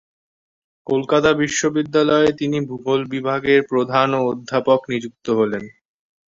কলকাতা বিশ্ববিদ্যালয়ে তিনি ভূগোল বিভাগের প্রধান ও অধ্যাপক নিযুক্ত হন।